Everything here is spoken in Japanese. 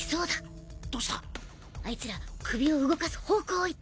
あいつら首を動かす方向を言ってる。